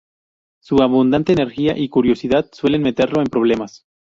Su abundante energía y curiosidad suelen meterlo en problemas.